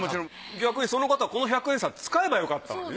逆にその方はこの百円札使えばよかったのにね。